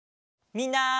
みんな。